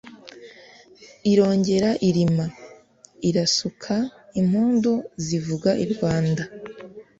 irongera irima, irasuka, impundu zivuga i rwanda.